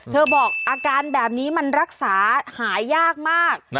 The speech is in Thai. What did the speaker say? บอกอาการแบบนี้มันรักษาหายากมาก